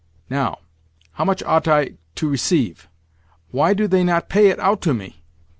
Now, how much ought I to receive? Why do they not pay it out to me?